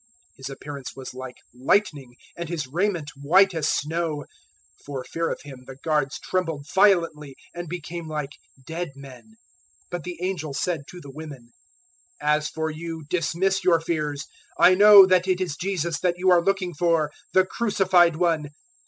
028:003 His appearance was like lightning, and his raiment white as snow. 028:004 For fear of him the guards trembled violently, and became like dead men. 028:005 But the angel said to the women, "As for you, dismiss your fears. I know that it is Jesus that you are looking for the crucified One.